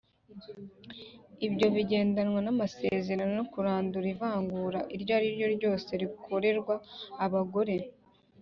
ibyo bigendana n’amasezerano yo kurandura ivangura iryo ariryo ryose rikorerwa abagore.